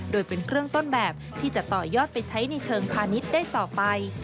โดยเป็นเครื่องต้นแบบที่จะต่อยอดไปใช้ในเชิงพาณิชย์ได้ต่อไป